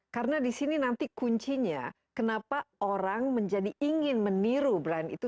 karena disini nanti kuncinya kenapa orang menjadi ingin meniru brand itu